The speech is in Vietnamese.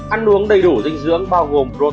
ăn uống đầy đủ dinh dưỡng bao gồm protein